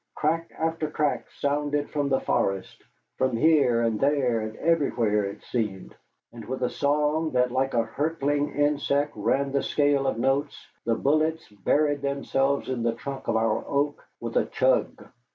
Crack after crack sounded from the forest from here and there and everywhere, it seemed and with a song that like a hurtling insect ran the scale of notes, the bullets buried themselves in the trunk of our oak with a chug.